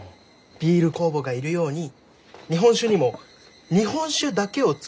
ビール酵母がいるように日本酒にも日本酒だけを造る清酒酵母がいるのか。